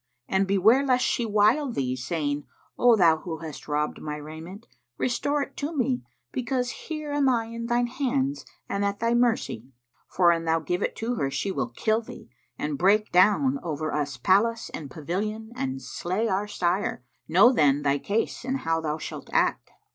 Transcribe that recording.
And beware lest she wile thee, saying, 'O thou who hast robbed my raiment, restore it to me, because here am I in thine hands and at thy mercy!' For, an thou give it her, she will kill thee and break down over us palace and pavilion and slay our sire: know, then, thy case and how thou shalt act.